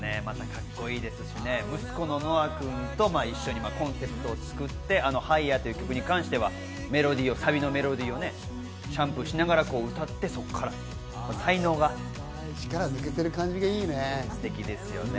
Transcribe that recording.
カッコいいですしね、息子のノア君と一緒にコンセプトを作って、『Ｈｉｇｈｅｒ』という曲に関してはメロディー、サビのメロディーをね、シャンプーしながら歌って、そこから力抜けてる感じがいいね。